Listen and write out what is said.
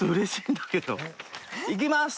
いきます。